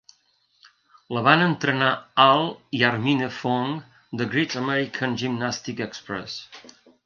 La van entrenar Al i Armine Fong de Great American Gymnastic Express.